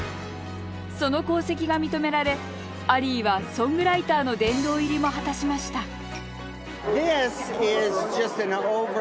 その功績が認められアリーはソングライターの殿堂入りも果たしました